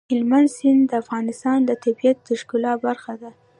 هلمند سیند د افغانستان د طبیعت د ښکلا برخه ده.